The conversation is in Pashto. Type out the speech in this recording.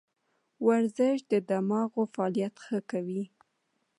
ورزش د دماغو فعالیت ښه کوي.